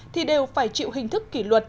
thì đều phải chịu hình thức kỷ luật